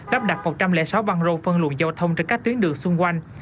lắp đặt một trăm linh sáu băng rô phân luận giao thông trên các tuyến đường xung quanh